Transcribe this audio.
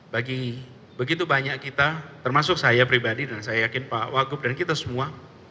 bagi begitu banyak kita termasuk saya pribadi dan saya yakin pak wagub dan kita semua